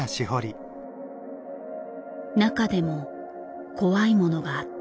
中でも怖いものがあった。